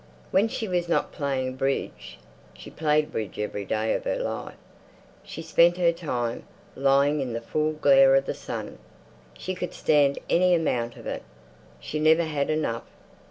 When she was not playing bridge—she played bridge every day of her life—she spent her time lying in the full glare of the sun. She could stand any amount of it; she never had enough.